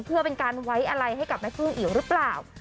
เพื่อเป็นการไว้อะไรให้กับแม่พึ่งอีกหรือเปล่า